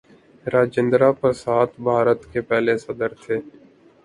راجندرہ پرساد بھارت کے پہلے صدر تھے.